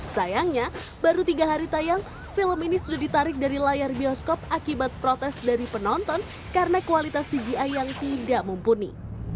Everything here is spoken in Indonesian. sayangnya baru tiga hari tayang film ini sudah ditarik dari layar bioskop akibat protes dari penonton karena kualitas cgi yang tidak mumpuni